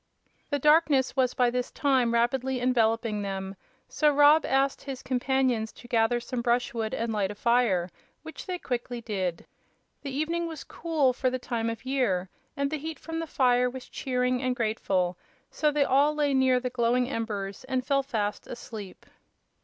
The darkness was by this time rapidly enveloping them, so Rob asked his companions to gather some brushwood and light a fire, which they quickly did. The evening was cool for the time of year, and the heat from the fire was cheering and grateful; so they all lay near the glowing embers and fell fast asleep.